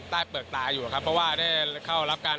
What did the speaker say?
เปลือกตาอยู่ครับเพราะว่าได้เข้ารับการ